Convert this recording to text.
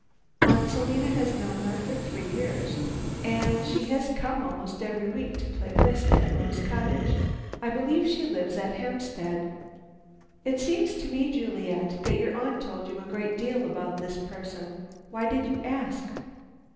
Aunt Selina has known her for three years, and she has come almost every week to play whist at Rose Cottage. I believe she lives at Hampstead!" "It seems to me, Juliet, that your aunt told you a great deal about this person. Why did you ask?"